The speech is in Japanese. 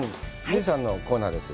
姉さんのコーナーです。